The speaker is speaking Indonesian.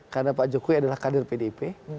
karena pak jokowi adalah kader pdip